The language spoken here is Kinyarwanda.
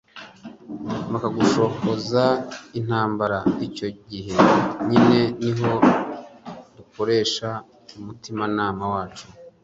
bakagushozaho intambara icyo gihe nyine niho dukoresha umutimanama wacu